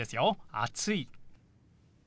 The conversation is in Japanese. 「暑い」。